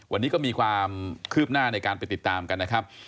วันนี้ก็มีความคืบหน้าในการไปติดตามกันนะครับ